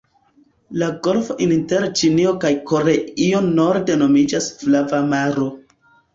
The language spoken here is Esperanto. La golfo inter Ĉinio kaj Koreio norde nomiĝas Flava maro.